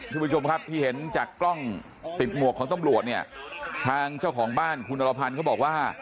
ที่เห็นจากกล้องติดหมวกของตำรวจทางเจ้าของบ้านคุณรพันธุ์เขาบอกว่า